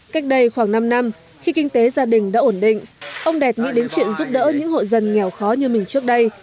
cách đây khoảng năm năm khi kinh tế gia đình đã ổn định ông đẹp nghĩ đến chuyện giúp đỡ những hộ dân nghèo khó như mình trước đây